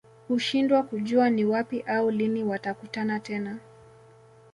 Hushindwa kujua ni wapi au lini watakutana tena